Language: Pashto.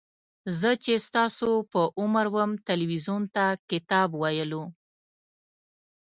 زه چې ستاسو په عمر وم تلویزیون ته کتاب ویلو.